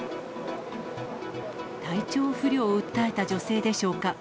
体調不良を訴えた女性でしょうか。